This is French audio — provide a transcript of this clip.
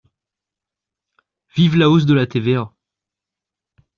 Vive la hausse de la TVA